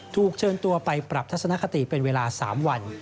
ถูกเชิญตัวไปปรับทัศนคติเป็นเวลา๓วัน